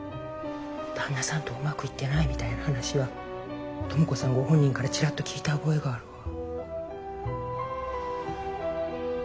旦那さんとうまくいってないみたいな話は知子さんご本人からチラッと聞いた覚えがあるわ。